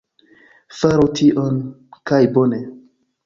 Faru tion... kaj bone...